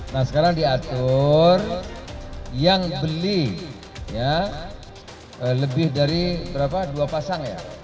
nah sekarang diatur yang beli ya lebih dari berapa dua pasang ya